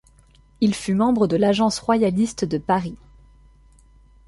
Il fut membre de l'Agence royaliste de Paris.